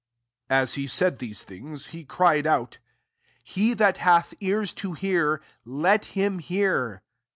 *"| he said these things, he out, « He that hath ears to let him hear."